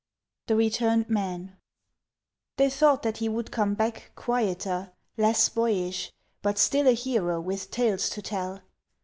The Returned Man THEY thought that he would come back Quieter, Less boyish, But still a hero with tales to tell.